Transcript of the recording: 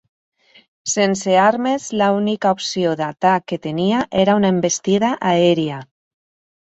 Sense armes, l'única opció d'atac que tenia era una envestida aèria.